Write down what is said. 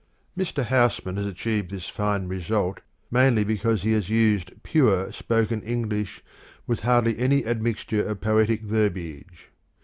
Mr. Housman has achieved this fine result mainly because he has used pure spoken English with hardly any admixture of poetic verbiage.